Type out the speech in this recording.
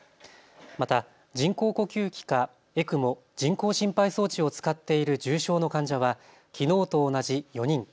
また人工呼吸器かＥＣＭＯ・人工心肺装置を使っている重症の患者はきのうと同じ４人。